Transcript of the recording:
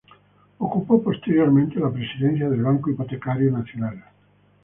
Ocupó posteriormente la presidencia del Banco Hipotecario Nacional.